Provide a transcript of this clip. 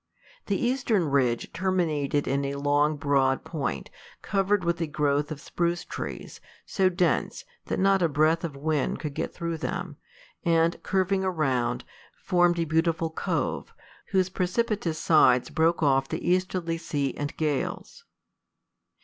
The eastern ridge terminated in a long, broad point, covered with a growth of spruce trees, so dense that not a breath of wind could get through them, and, curving around, formed a beautiful cove, whose precipitous sides broke off the easterly sea and gales.